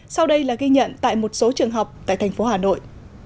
sau đây là ghi nhận tại một số trường học tại thành phố hà nội